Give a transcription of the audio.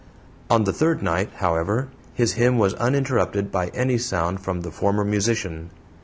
On the third night, however, his hymn was uninterrupted by any sound from the former musician.